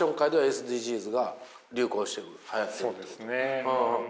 そうですね。